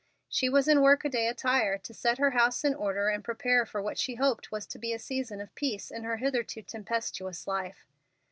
She was in workaday attire, to set her house in order and prepare for what she hoped was to be a season of peace in her hitherto tempestuous life.